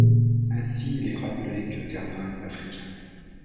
Ainsi il est rappelé que le Cervin est africain.